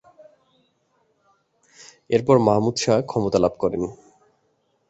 এরপর মাহমুদ শাহ ক্ষমতা লাভ করেন।